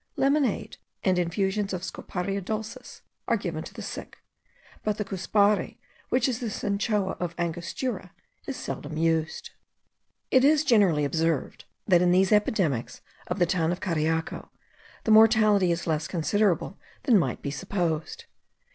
Lemonade and infusions of Scoparia dulcis are given to the sick; but the cuspare, which is the cinchona of Angostura, is seldom used. It is generally observed, that in these epidemics of the town of Cariaco the mortality is less considerable than might be supposed.